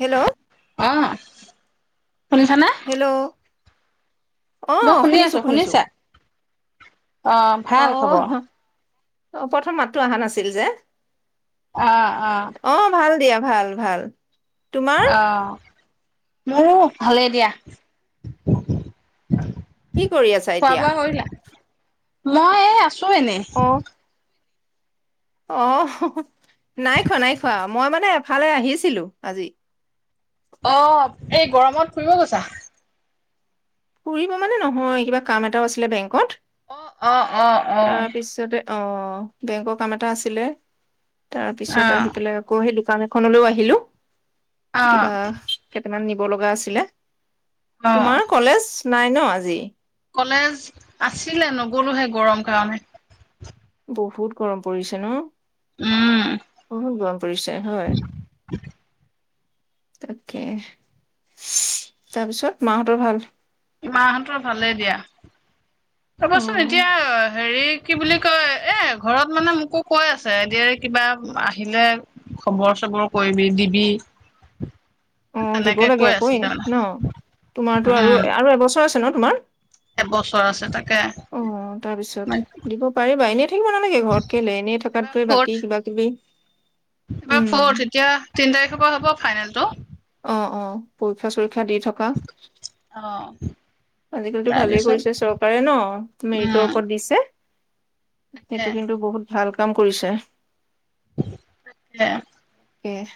Hello অ'। শুনিছানে hello অ মই শুনি শুনিছো আছোঁ, শুনিছো শুনিছা? অ', অ ভাল খবৰ? অ প্ৰথম মাতটো আহা নাছিল যে অ'-অ'। অ ভাল দিয়া ভাল, ভাল। তোমাৰ আহ মোৰ ভালেই দিয়া। কি কৰি আছা খোৱা এতিয়া, বোৱা কৰিলা মই এ আছো আছোঁ এনে আহ নাই খোৱা নাই খোৱা মই মানে ফালে আহিছিলো আজি অ এই গৰমত ফুৰিব গৈছা ফুৰিব মানে নহয় কিবা কাম এটাও আছিলে বেংকত অ অ অ অ' তাৰপিছতে অ' বেংকৰ কাম এটা আছিলে তাৰ অ পিছত আহি পেলাই আকৌ সেই দোকান এখনলৈও আহিলো অ কিবা। কিমান নিব লগা আছিলে। অ তোমাৰ কলেজ, - নাই ন', আজি। কলেজ আছিলে নগ'লোহে গৰম কাৰণে। বহুত গৰম পৰিছে ন', - উম', [unintelligible] পৰিছে হয়। তাকে, তাৰপিছত মাহঁতৰ ভাল? মাহঁতৰ ভালেই দিয়া। অ ৰ'বাচোন এতিয়া হেৰি কি, বুলি কয় ', এ', ঘৰত মানে মোকো কৈ আছে এ', দি, আৰ, ই', - কিবা আহিলে খবৰ খবৰ - চবৰ কৰিবি দিবি। অ ', দিব তেনেকে লাগে কৈ আকৌৱে আছিলে মানে ন', তোমাৰতো আৰু', উম - -আৰু এবছৰ, কৈছে ন', তোমাৰ। এবছৰ আছে তাকে অ', তাৰপিছত দিব পাৰিবা এনে। থাকিব নালাগে ঘৰত, কেলে এনে এইবাৰ থকাতকৈ ফৰ্থ বাকী কিবা -কিবি উম', থকা হ'ব ফাইনেলটো। অহ', -অহ, পৰীক্ষা -চৰীক্ষা। শিক্ষা দি থকা অ আজিকালিতো ভালেই তাৰপিছত কৰিছে চৰকাৰে ন', মেৰিটৰ উম ওপৰত দিছে। তাকে সেইটো কিন্তু বহুত ভাল। কাম কৰিছে। তাকে। এ',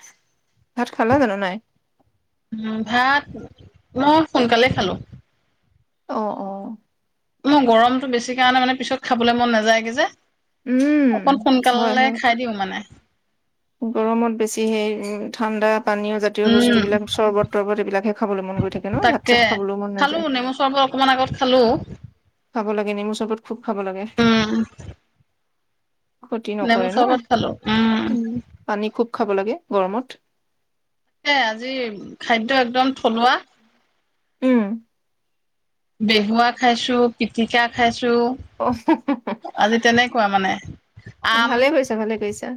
ভাত -খালা জানো নাই? উম্ ভাত মই সোনকালে খালো। অহ ', - অহ ', মই, গৰমতটো বেছি কাৰণে মানে পিছত খাবলৈ মন নাযায়গে, যে', উম অকন, হয় সোনকালে হয় খাই দিওঁ মানে। গৰমত বেছি হেই ঠাণ্ডাত, পানীয় জাতীয় উম বস্তুবিলাক চৰ্বত -তৰ্বত এইবিলাকহে খাবলৈ মন গৈ থাকে ন ', ভাত- তাকে -চাত খাবলৈ মন খালো নাযায়। নেমু চৰবত অকমান আগত খালো খাব লাগে নেমু চৰবত খুব খাব লাগে। উম ক্ষতি নেমু নকৰে ন চৰবত খালো। উম', পানী খুব খাব লাগে গৰমত। এ ', আজি খাদ্য -একদম থলুৱা। উম', - বেহুৱা খাইছো পিতিকা খাইছো। অ আজি তেনেকুৱা মানে। অহু আম ভালে কৰিছা ভালে কৰিছা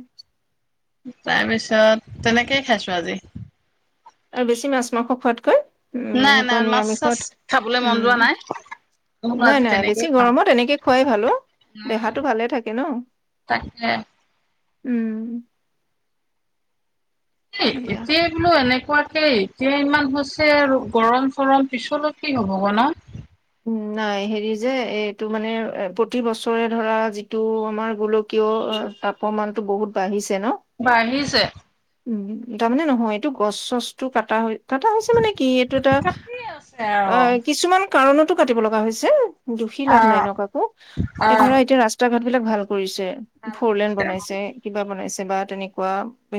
তাৰপিছত তেনেকেই খাইছো আজি আৰু বেছি মাছ মাংস খোৱাতকৈ উম নাই এনেকুৱা নাই মাছ চাছ নিৰামিষত খাবলৈ মন যোৱা নাই, মই বোলো উম আজি নাই নাই তেনেকেই বেছি খাওঁ। গৰমত এনেকে খুৱাই ভালো উম দেহাটো ভালে থাকে ন তাকে। উম কি সেয়া এতিয়াই বোলো এনেকুৱা তাকেই এতিয়া ইমান হৈছে আৰু গৰম চৰম পিছলৈ কি হ'ব গ ন নাই হেৰি যে এইটো মানে প্ৰতি বছৰে ধৰা যিটো আমাৰ গোলকীয় তাপৰ মানতটো বহুত বাঢ়িছে ন বাঢ়িছে উম তাৰমানে নহয় এইটো গছ চছটো কাটা হয় কথা হৈছে মানে কি এইটো এটা কাটিয়ে আছে অ আৰু। কিছুমান কাৰণত তো কাটিব লগা হৈছে দুখী লাভ নাই অ' ন কাকো এ অ' ধৰা এতিয়া ৰাস্তা ঘাট এইবিলাক ভাল কৰিছে ফ ভাল ৰলেন কৰিছে। বনাইছে কিবা বনাইছে বা তেনেকুৱা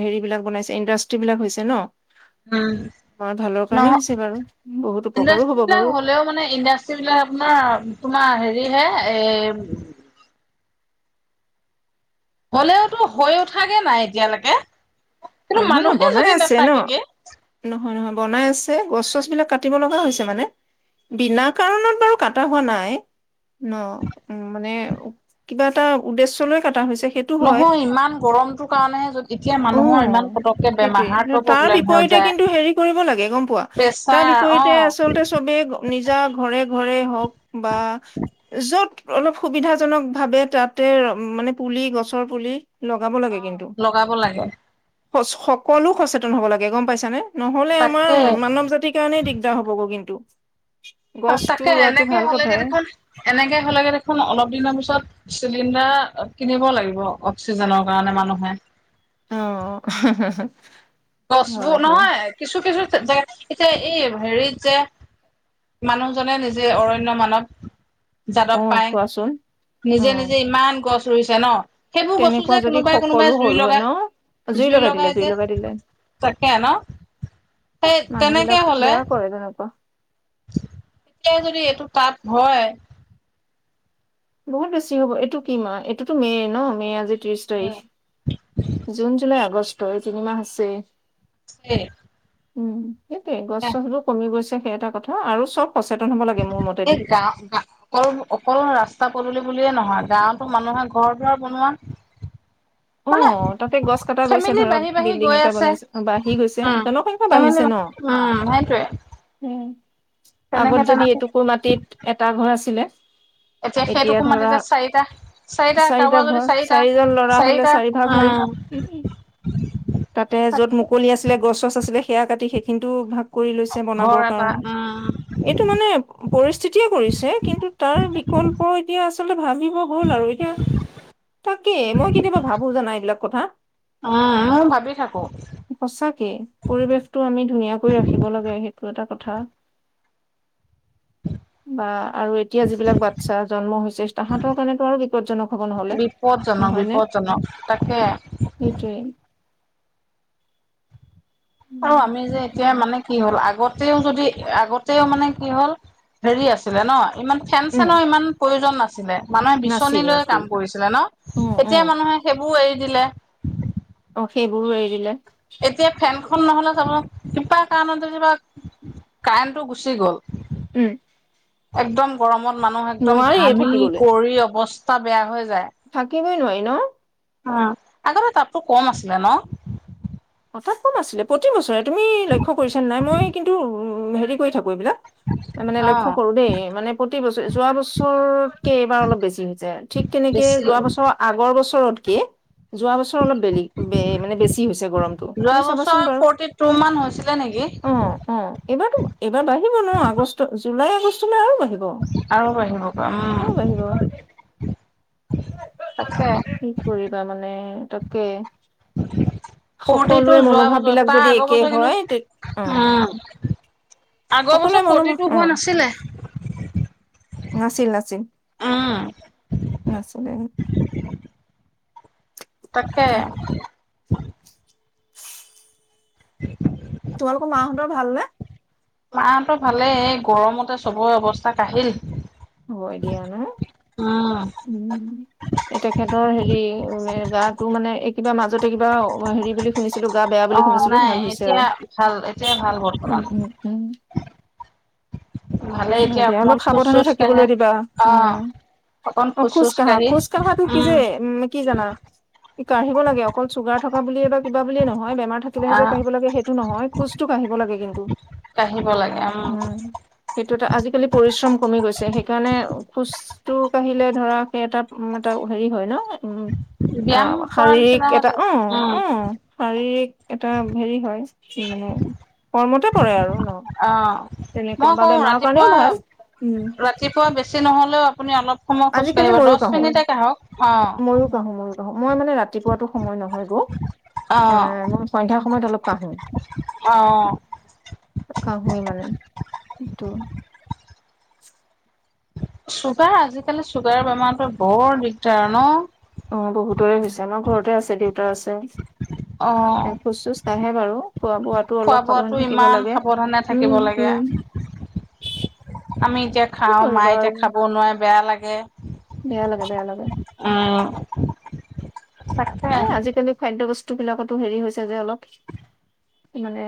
হেৰি বিলাক বনাইছে ইণ্ডাষ্ট্ৰী বিলাক হৈছে ন উম আমাৰ ভালৰ কাৰণেই হৈছে নহ বাৰু বহুত উপকাৰো হ'ব ইণ্ডাষ্ট্ৰী বাৰু। বিলাক হলেও মানে ইণ্ডাষ্ট্ বিলাক আপোনাৰ তোমাৰ হেৰি হে এ হ'লেওতো হৈ উঠাগে নাই এতিয়ালৈকে অ কিন্তু নহয় নহয় মানুহে বনাই যদি আছে ন নাথাকেগে নহয় নহয় বনাই আছে গছ চছ বিলাক কাটিব লগা হৈছে মানে বিনা কাৰণত বাৰু কটা হোৱা নাই ন উ মানে কিবা এটা উদ্দেশ্য লৈ ক নহয় ইমান গৰমটোৰ কাৰণেহেত এতিয়া মানুহৰ ইমান পতককে বেমাৰ সেইটোয়ে হাৰ্টৰ তাৰ প্ৰব্লেম হৈ বিপৰীতে যায় কিন্তু হেৰি কৰিব লাগে গম পোৱা তাৰ প্ৰেছাৰ অ বিপৰতে আচলতে চবে নিজা ঘৰ ঘৰে ঘৰে হওঁক বা য'ত অলপ সুবিধাজনক ভাৱে তাতে মানে পুলি গছৰ পুলি অ লগাব লাগে স সকলো সচেতন হব লাগে গম পাইছানে নহলে আমাৰ তাকে মানৱ জাতিৰ কাৰণেই দিগদাৰ হ'বগৈ কিন্তু [inaudible] গছটো তাকে ৰোৱাটো এনেকে ভাল হলেগে কথাই। দেখোন এনেকে হলেকে দেখোন অলপ দিনৰ পিছত চিলিণ্ডাৰ কিনিব লাগিব অক্সিজেনৰ কাৰণে মানুহে অ হু। হু গছবোৰ নহয় কিছু কিছু এতিয়া এই হেৰিত যে, মানুহজনে নিজেই অৰণ্য মানৱ [unintelligible] যাদৱ অ', পায়েং, চোৱাচোন। নিজে নিজে ইমান গছ ধৰিছে ন। সেইবোৰ গছো তেনেকোৱা যে যদি কোনোবাই কোনোবাই সকলো জুই হ'ল হয় লগাই ন, জুই লগাই দিলে, জুই লগাই দিলে তাকে ন, সেই মানুহ তেনেকে বিলাক হ'লে বেয়া কৰে তেনেকুৱা। এতিয়া যদি এইটো তাপ হয় [unintelligible] বহুত বেছি হ'ব, এইটো কি মাহ, এইটোতো মে' ন মে' আজি ত্ৰিশ তাৰিখ জুন জুলাই আগষ্ট তিনিমাহ আছে এই উম। সেইট গছ-চছ কমি গৈ সেই এটা কথা আৰু চব। সচেতন হ'ব লাগে মোৰ মতেদি। এই গা অকল-অকল ৰাস্তা ৰাস্তা পদূলি বুলিয়ে নহয় গাঁৱতো মানুহে ঘৰ দুৱা বনোৱা। মানে অ' তাতে গছ কটা গৈছে ফেমিলি ধৰা বাঢ়ি বাঢ়ি বিল্ডিং গৈ এটা আছে বনাইছে বাঢ়ি গৈছে উম জনসংখ্যা ফেমিলি বাঢ়িছে ন। উম সেইটোৱে উম, তেনেকে আগত যদি তেনেকে এটুকুৰ মাটিত এটা ঘৰ আছিলে হয় এতিয়া সেই টোকুমাৰ এতিয়া চাৰিটা ঘৰ চাৰিটা চাৰিজন ল'ৰা হলে কাৰোবাৰ চাৰি ভাগ যদি হ'ল চাৰিটা চাৰিটা অ', তাতে য'ত মুকলি আছিলে গছ-ছছ। আছিলে সেয়া কাটি সেইখিনিতো ভাগ কৰি লৈছে ঘৰ বনাবৰ এটা কাৰণে উম এইটো মানে পৰিস্থিতিয়ে কৰিছে কিন্তু তাৰ বিকল্প এতিয়া আ আচলতে ভঙিব গ'ল আৰু। তাকে মই কেতিয়াবা ভাবো জানা এইবিলাক কথা উম মই ভাবি থাকো সচাকে পৰিৱেশতটো আমি ধুনীয়াকৈ ৰাখিব লাগে সেইটো এটা। কথা বা আৰু এতিয়া যিবিলাক বাচ্ছা জন্ম হৈছে তাহাঁতৰ কাৰণেতো আৰু বিপদজনক হব নহলে বিপদজনক নহয় ন বিপদজনক তাকে সেইটোৱে। আৰু আমি যে এতিয়া উম, মানে কি হ'ল আগত তেও যদি আগতেও মানে কি হ'ল হেৰি আছিলে ন ইমান ফেন চেনৰ ইমান প্ৰয়োজন নাছিল। ছিলে। মনে বিচনী নাছিল লৈ নাছিল। কাম কৰিছিলে ন, উম, এতিয়া উম, মানুহে সেই এৰি দিলে। অ, সেইবোৰো এৰি দিলে। এতিয়া ফেনখন নহলে চাব কপা কাৰণত যেবা কাৰেণ্টটো গুচি গল, উম। একদম গৰমত মানুহ একদম নোৱাৰিয়ে ঘামি থাকিবলৈ। কৰি অৱস্থা [unintelligible] হৈ। থাকিবই নোৱাৰি। ন, উম আগতে তাপোৰ কম আছিলে ন হথাৎ কম আছিলে প্ৰতি বছৰে তুমি লক্ষ্য কৰিছা নাই মই কিন্তু হেৰি কৰি থাকো এইবিলাক। মানে অ লক্ষ্য কৰো দেই মানে প্ৰতি প্ৰতিৰে বছ যোৱা বছৰ [unintelligible] এইবাৰ অলপ বেছি হৈ যায় ঠিক তেনেকে বেছি যোৱা বছৰ আগৰ বছৰত কে? যোৱা বছৰ অলপ বেলেগ মানে বেছি হৈছে গৰম। যোৱা তুমি চাবাচোন বছৰ বাৰু ফৰ্টি টু মান হৈছিলে নেকি অ, অ', এইবাৰ, এইবাৰ বাঢ়িব ন আগষ্ট ওলাই আহিচো আৰু বাৰিভ কম বাঢ়িব। উম। তাকে কি কৰিবা মানে? টকে, প্ৰতিতটো যোৱা মনোভাৱ বছৰ বিলাক তাৰ যদি আগৰ একে বছৰ কিন্তু, হয় তে অ উম। আগৰ সকলোৱে বছৰ ফৰটি মনোভাৱ টু অ হোৱা নাছিলে। নাছিল নাছিল। উম নাছিলে। তাকে, [unintelligible] উম তোমালোকৰ মাহঁতৰ ভালনে? মা হতৰ ভালেই এই গৰমতে চবৰে অৱস্থা কহিল। হৈয়েই উম। তেখেতৰ হেৰি গাটো মানে এই কিবা মাজতে কিবা হেৰি বুলি শুনিছ অ নাই এতিয়া ভাল এতিয়াই ভাল বৰ্তমান। উম উম উম ভালে হয় এতিয়া দিয়া অকমান অলপ খোজ সাৱধানে চোজ কাঢ়ে থাকিবলৈ দিবা অ উম অকন অ খোজ চোজ কঢ়া কাঢ়ি খোজ কঢ়াটো কি উম যে উ কি জানা, ই কাঢ়িব লাগে অকল চুগাৰ থকা বুলিয়ে বা কিবা বুলিয়ে নহয় বেমাৰ থাকিলে হে যে খোজ আহ কাঢ়িব লাগিব সৈটো নহয় খোজ টো কাঢ়িব লাগে কিন্তু। কঢ়িব লাগে উম। সেইটো এটা আজিকালি পৰিশ্ৰম কমি গৈছে সেইকাৰণে খোজটো কাঢ়িলে ধৰা সেই এটা এটা হেৰি হয় ন ব্যায়াম অ কৰা শাৰীৰিক নিচিনা হৈ এটা অ থাকে উম উ শাৰীৰিক এটা হেৰি হয় মানে কৰ্মতে পৰে আৰু ন অ', তেনে মই কওঁ ৰাতিপুৱা ৰাতিপুৱা বেছি নহলেও আপু অলপ সময় খোজ আজিকালি কাঢ়িব ময়ো দহ কাঢ়ো মিনিটকে কাঢ়ক অ। ৰাতিপুৱটো সময় নয় হয় আকৌ অ', মই সন্ধ্যা সময়ত অলপ কঢ়ো অ', কঢ়োঁৱে মানে [inaudible] চুগাৰ আজিকালি চুগাৰৰ বেমাৰতে বৰ দিগদাৰ ন অ বহুতৰে হৈছে আমাৰ ঘৰতে আছে দেউ অ চোজ কাঢ়ে বাৰু খোৱা বোৱাতো খোৱা অলপ সাৱধান বোৱাতটো থাকিব ইমান লাগে। সাৱধানে উম, থাকিব লাগে উম। আমি এতিয়া কি খাও কৰিবা মায়ে এতিয়া আৰু খাব নোৱাৰে বেয়া লাগে এ বেয়া লাগে বেয়া লাগে। উম তাকে এ আজিকালি খাদ্য বস্তু বস্তুবিলাকতো হেৰি হৈছে যে অলপ মানে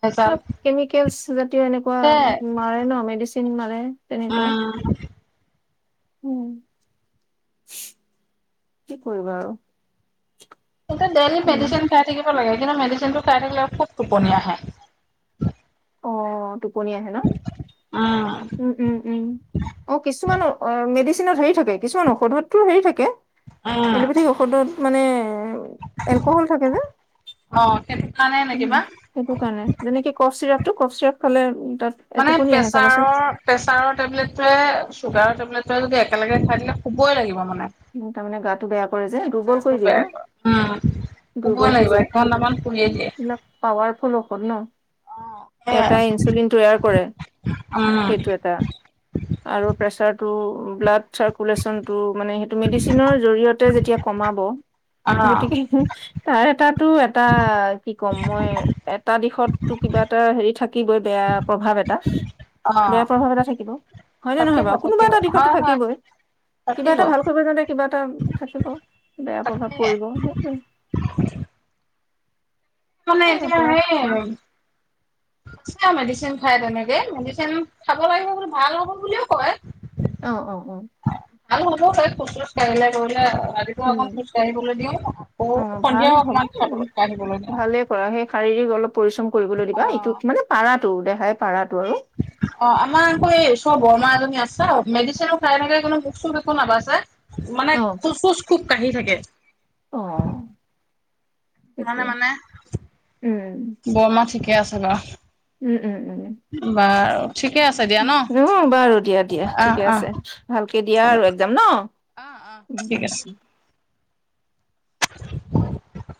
ভেজাল অ কেমিকেল জাতীয় এনেকুৱা তে মাৰে ন মেডিচিন চিন্মাৰে। তেনেকুৱা। উম, উম কি কৰিবা আৰু। এতিয়া ডেইলি মানে মেডিচিন খাই থাকিব লাগে। মেডিচিনটো খাই থাকিল খুব টোপনি আহে। অ টোপনি আহে ন উম, উম উম উম অ কিছুমানৰ অ মেডিচিনৰ হেৰি থাকে। কিছুমান ঔষধতো হেৰি থাকে উম, এলোপেথিক ঔষধত মানে এলকহল থাকে যে। অ', সেইটো কাৰণে নে উম কিবা? সেইটো কাৰণে। যেনেকে কফ চিৰাপটো কফ চিৰাপ খালে উ মানে প্ৰেছাৰৰ-প্ৰেছাৰৰ টেবলেটে চুগাৰৰ তই যদি একেলগে হোৱাই দিলে শুবই লাগিব মানে তাৰমানে গাটো বেয়া কৰে যে, দুৰ্বল গাটো কৰি দিয়ে বেয়া ন? কৰে উম, শুবই দুৰ্বল হৈ লাগিব যায়। এক ঘন্টামান শুইয়ে দিয়ে। এইবিলাক পাৱাৰফুল ন? অ', সেয়াই এটা ইনচুলিন তৈয়াৰ কৰে, উম সেইটো এটা। আৰু প্ৰেচাৰ টো, ব্লাড চাৰ্কুলেশচন টো মানে মেডিচিনৰ জৰিয়তে যেতিয়া কমাব, অ', গতিকে, তাৰে এটাতো এটা কি ক'ম মই এটা দিশতটো কিবা এটা হেৰি থাকিবই বেয়া প্ৰভাৱ এটা। বেয়া অ', প্ৰভাৱ এটা থাকিব। হয়নে নহয় থাকিব বাৰু? কোনোবা থাকিব এটা দিশতো হয় হয় থাকিবই, কিবা থাকিব এটা ভাল কিবা এটা থাকিব, বেয়া প্ৰভাৱ তাকে পৰিব, হেটুৱে। মানে এতিয়া হেই আ মেডিচিন খাই তেনেকে, মেডিচিন খাব লাগিব বুলি ভাল ঔষধ বুলিও কয়। অহ-অহ-অহ আৰু হ'বও পাৰে খোচ [unintelligible] ৰাতিপুৱা অকমান উম খোজ কাঢ়িবলৈ দিওঁ অ আকৌ ভাল সন্ধিয়াও হ'ব অকণমান উম, খাবলৈ কাঢ়িবলৈ দিওঁ। ভালে কৰা সেই শাৰীৰিক অলপ পৰিশ্ৰম কৰিবলৈ দিবা, এইটো অ'। মানে পাৰা তৰ দেখাই পাৰা অ আমাৰ আকৌ এই ওচৰ বমাৰ এজনি আছে। মেডিচিনো খাই থাকে কোনো মুখ চুখ একো নাবাছে। মানে অ খুচ-সুচ খুব কাঢ়ি থাকে। অ ণে সেইটোৱে মানে, বৰমা ঠিকে কেই আছেবা উম-উম। ঠিকে আছে দিয়া ন' হব বাৰু দিয়া-দিয়া অ', ঠিকে অ', আছে, ভালকে দিয়া হ'ব। আৰু একদাম ন। অ', অ'। ঠিক আছে। [inaudible]